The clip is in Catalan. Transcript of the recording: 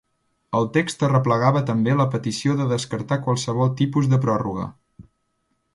El text arreplegava també la petició de descartar qualsevol tipus de pròrroga.